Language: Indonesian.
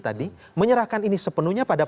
tadi menyerahkan ini sepenuhnya pada